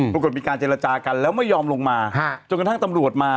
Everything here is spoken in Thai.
ปรากฏมีการเจรจากันแล้วไม่ยอมลงมาจนกระทั่งตำรวจมา